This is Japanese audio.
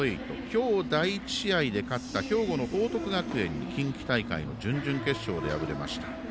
今日第１試合で勝った兵庫・報徳学園に近畿大会の準々決勝で敗れました。